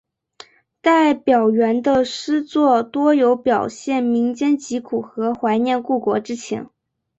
戴表元的诗作多有表现民间疾苦和怀念故国之情。